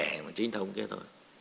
thẻ mà chính thông kia thôi